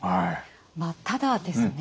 ただですね